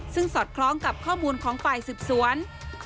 ซึ่งสอดคล้องกับข้อมูลของฝ่ายสืบสวน